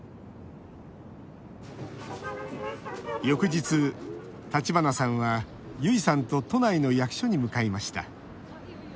翌日、橘さんは、ゆいさんと都内の役所に向かいました。